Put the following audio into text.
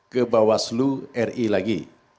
ke bawah seluruh ri lagi